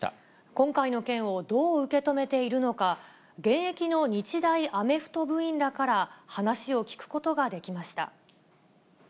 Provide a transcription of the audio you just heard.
今回の件をどう受け止めているのか、現役の日大アメフト部員らから話を聞くことができました。